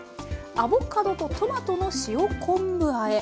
アボカドとトマトの塩昆布あえ。